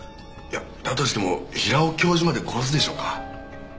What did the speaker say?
だとしても平尾教授まで殺すでしょうか。